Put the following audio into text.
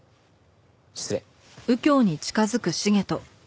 失礼。